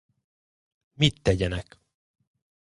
Mit tegyenek?